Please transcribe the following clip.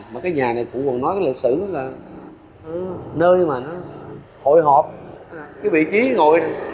mà cái nhà này cụ còn nói cái lịch sử là nơi mà nó hội họp cái vị trí hội